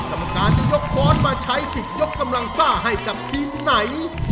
กรรมการจะยกค้อนมาใช้สิทธิ์ยกกำลังซ่าให้กับทีมไหน